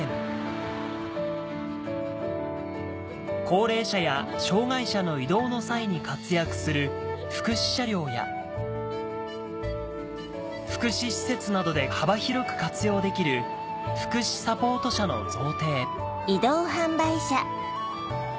高齢者や障がい者の移動の際に活躍する福祉車両や福祉施設などで幅広く活用できる福祉サポート車の贈呈